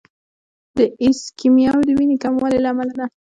د ایسکیمیا د وینې کموالي له امله ده.